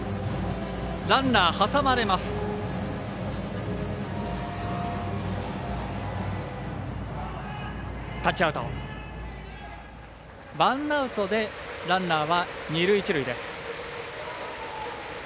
ワンアウトでランナーは二塁、一塁です。